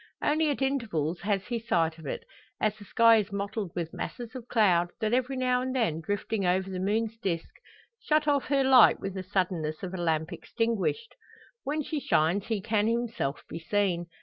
Only at intervals has he sight of it, as the sky is mottled with masses of cloud, that every now and then, drifting over the moon's disc, shut off her light with the suddenness of a lamp extinguished. When she shines he can himself be seen.